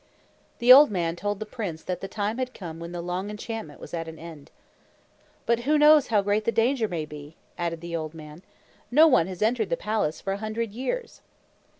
The old man told the prince that the time had come when the long enchantment was at an end. "But who knows how great the danger may be?" added the old man. "No one has entered the palace for a hundred years!"